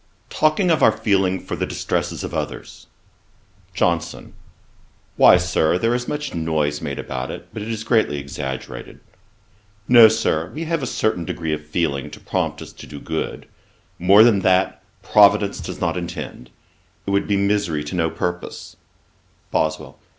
Talking of our feeling for the distresses of others; JOHNSON. 'Why, Sir, there is much noise made about it, but it is greatly exaggerated. No, Sir, we have a certain degree of feeling to prompt us to do good: more than that, Providence does not intend. It would be misery to no purpose.' BOSWELL.